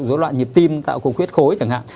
dối loạn nhịp tim tạo cùng huyết khối chẳng hạn